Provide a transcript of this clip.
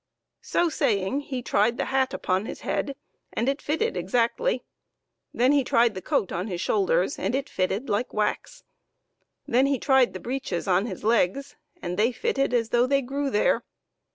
So saying, he tried the hat upon his head, and it fitted exactly. Then he tried the coat on his shoulders, and it fitted like wax. Then he tried the breeches on his legs, and they fitted as though they grew there.